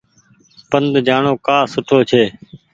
پند جآڻو ڪآ سُٺو ڇي۔